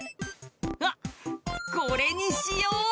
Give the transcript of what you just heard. あっこれにしよう！